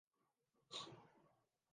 اک بار ہی جی بھر کے سزا کیوں نہیں دیتے